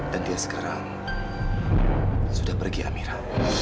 dan dia sekarang sudah pergi amira